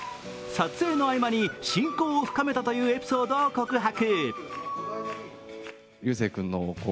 撮影の合間に親交を深めたというエピソードを告白。